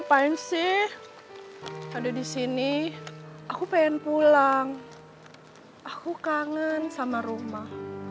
aku kangen sama rumah